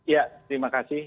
ya terima kasih